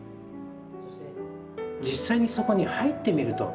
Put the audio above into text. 実際にそこに入ってみると。